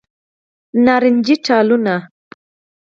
نارنجې ټالونه